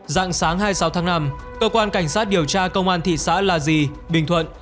dạng sáng hai mươi sáu tháng năm cơ quan cảnh sát điều tra công an thị xã là di bình thuận